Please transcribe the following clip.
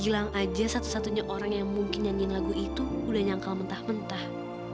gilang aja satu satunya orang yang mungkin nyanyiin lagu itu udah nyangkal mentah mentah